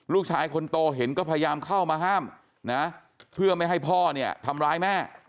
ลูกชายคนโตเห็นก็พยายามเข้ามาห้ามนะเพื่อไม่ให้พ่อเนี่ยทำร้ายแม่